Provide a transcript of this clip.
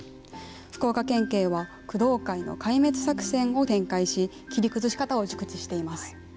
福岡県警は工藤会の壊滅作戦を展開し切り崩し方を熟知しています。